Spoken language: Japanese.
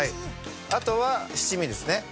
あとは七味ですね。